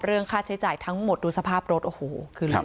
เรื่องค่าใช้จ่ายทั้งหมดดูสภาพรถโอ้โหคือเหลือ